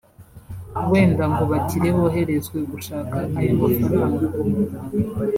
wenda ngo bakire boherezwe gushaka aya mafaranga